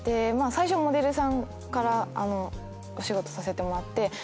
最初モデルさんからお仕事させてもらって。